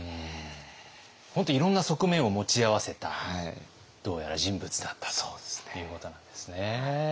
本当いろんな側面を持ち合わせたどうやら人物だったということなんですね。